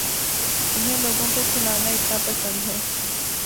انھیں لوگوں کو کھلانا اتنا پسند ہے